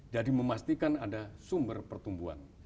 memastikan ada sumber pertumbuhan